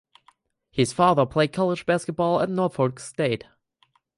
His father played college basketball at Norfolk State.